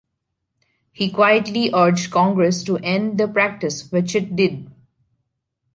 He quietly urged Congress to end the practice, which it did.